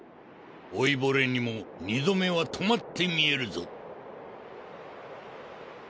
老いぼれにも二度目は止まって見えるぞ。